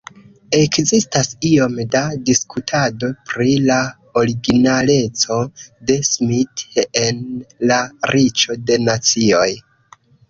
Ekzistas iom da diskutado pri la originaleco de Smith en "La Riĉo de Nacioj".